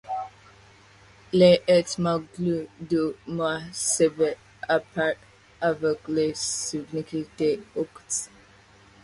L'étymologie du mot serait picarde avec la signification de quête.